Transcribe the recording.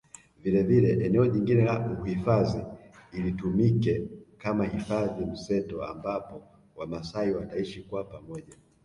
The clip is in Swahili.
Vilevile eneo jingine la uhifadhi llitumike kama Hifadhi mseto ambapo wamaasai wataishi kwa pamoja